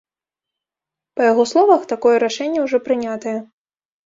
Па яго словах, такое рашэнне ўжо прынятае.